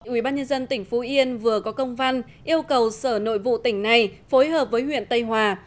ủy ban nhân dân tỉnh phú yên vừa có công văn yêu cầu sở nội vụ tỉnh này phối hợp với huyện tây hòa